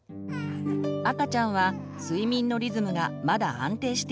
赤ちゃんは睡眠のリズムがまだ安定していません。